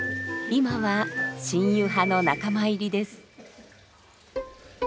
今は新湯派の仲間入りです。